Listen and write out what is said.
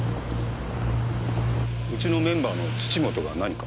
うちのメンバーの土本が何か？